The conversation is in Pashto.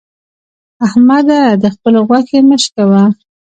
احمده! د خبل غوښې مه شکوه.